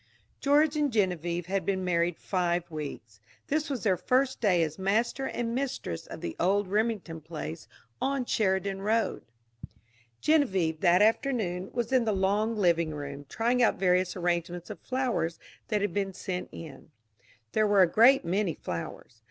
George and Genevieve had been married five weeks; this was their first day as master and mistress of the old Remington place on Sheridan Road. Genevieve, that afternoon, was in the long living room, trying out various arrangements of the flowers that had been sent in. There were a great many flowers.